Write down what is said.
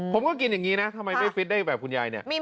ผมก็กินอย่างนี้นะทำไมไม่ฟิตได้แบบคุณยายเนี่ย